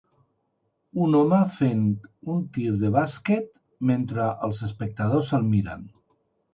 Un home fent un tir de bàsquet mentre els espectadors el miren.